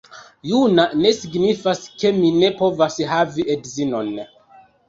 Juna ne signifas ke mi ne povas havi edzinon